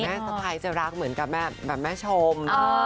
เผื่อแม่สะพายจะรักเหมือนแม่ชม